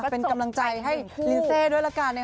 เป็นกำลังใจให้ลินเซด้วยละกัน